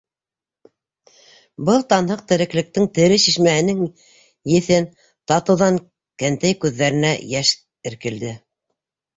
Был танһыҡ, тереклектең тере шишмәһенең еҫен татыуҙан кәнтәй күҙҙәренә йәш эркелде.